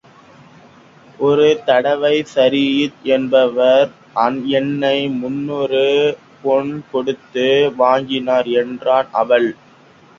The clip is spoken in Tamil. ஒரு தடவை சய்யித் என்பவர் என்னை முந்நூறு பொன் கொடுத்து வாங்கினார் என்றாள் அவள்!